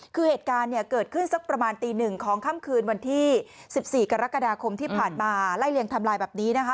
คือเหตุการณ์เนี่ยเกิดขึ้นสักประมาณตีหนึ่งของค่ำคืนวันที่๑๔กรกฎาคมที่ผ่านมาไล่เลี่ยงทำลายแบบนี้นะคะ